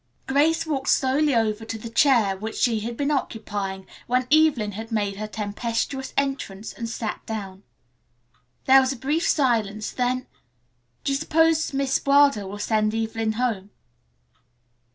Grace walked slowly over to the chair which she had been occupying when Evelyn had made her tempestuous entrance, and sat down. There was a brief silence, then, "Do you suppose Miss Wilder will send Evelyn home?"